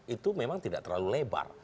itu memang tidak terlalu lebar